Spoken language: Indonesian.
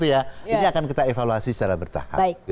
ini akan kita evaluasi secara bertahap